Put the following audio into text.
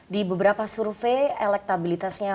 di beberapa survei elektabilitasnya